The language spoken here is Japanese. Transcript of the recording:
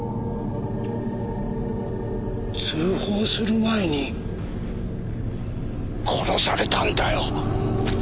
通報する前に殺されたんだよ。